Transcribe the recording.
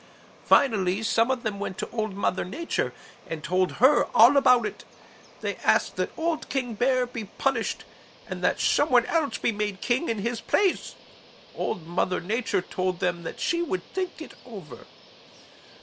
Finally some of them went to Old Mother Nature and told her all about it; they asked that old King Bear be punished and that some one else be made king in his place. Old Mother Nature told them that she would think it over.